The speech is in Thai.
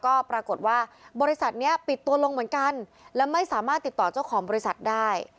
ก็ปรากฏว่าบริษัทนี้ปิดตัวลงเหมือนกันและไม่สามารถติดต่อเจ้าของบริษัทได้